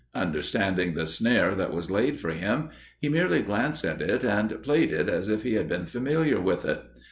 Understanding the snare that was laid for him, he merely glanced at it, and played it as if he had been familiar with it.